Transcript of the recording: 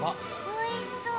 おいしそう。